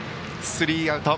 スリーアウト！